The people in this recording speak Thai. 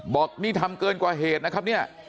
บอกนี่ทำเกินกว่าเหตุนะครับเนี่ย